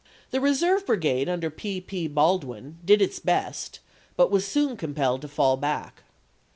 The reserve brigade under P. P. Baldwin did its best, but was soon compelled to fall back.